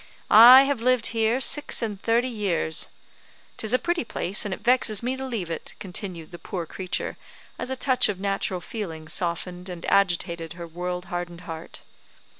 I have lived here six and thirty years; 'tis a pretty place and it vexes me to leave it," continued the poor creature, as a touch of natural feeling softened and agitated her world hardened heart.